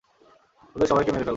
ওদের সবাইকে মেরে ফেলো!